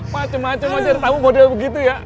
macem macem aja tamu model begitu ya